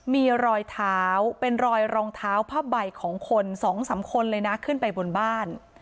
มีรอยเท้าเป็นรอยรองเท้าผ้าใบของคนสองสามคนเลยนะขึ้นไปบนบ้าน